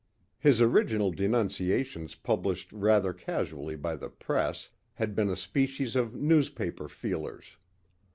His original denunciations published rather casually by the press had been a species of newspaper feelers.